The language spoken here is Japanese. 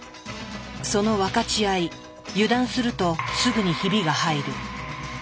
その分かち合い油断するとすぐにヒビが入る。